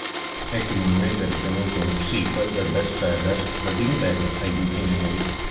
È comunemente ritenuto un sequel del bestseller "Dal big bang ai buchi neri.